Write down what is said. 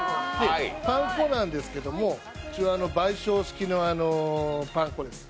パン粉なんですけれども、うちはばい焼式のパン粉です。